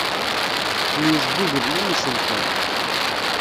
Myejguglen am iselfan.